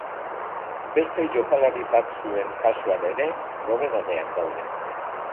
Beste jokalari batzuen kasuan ere nobedadeak daude.